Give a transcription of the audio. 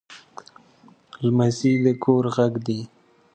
لمسی د کور غږ دی.